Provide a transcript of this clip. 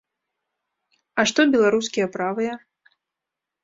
А што беларускія правыя?